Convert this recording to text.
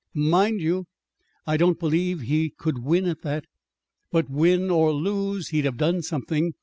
"Mind you, I don't believe he could win at that. But, win or lose, he'd have done something.